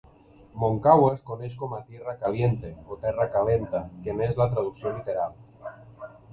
Moncagua es coneix com a "tierra caliente" o "terra calenta", que n'és la traducció literal.